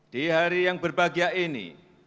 di hari yang berbahagia ini